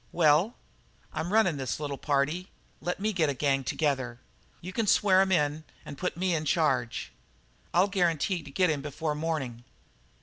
"Well?" "I'm running this little party. Let me get a gang together. You can swear 'em in and put me in charge. I'll guarantee to get him before morning."